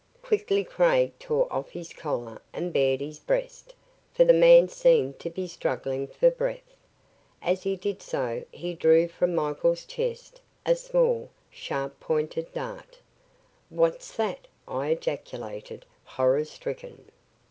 Quickly Craig tore off his collar and bared his breast, for the man seemed to be struggling for breath. As he did so, he drew from Michael's chest a small, sharp pointed dart. "What's that?" I ejaculated, horror stricken.